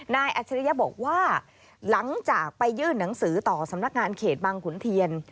อัจฉริยะบอกว่าหลังจากไปยื่นหนังสือต่อสำนักงานเขตบางขุนเทียน